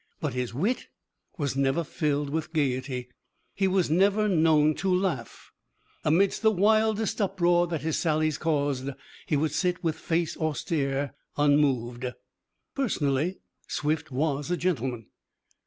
But his wit was never filled with gaiety: he was never known to laugh. Amid the wildest uproar that his sallies caused, he would sit with face austere unmoved. Personally, Swift was a gentleman.